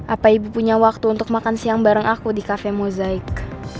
apa ibu punya waktu untuk makan siang bareng aku di cafe mozaik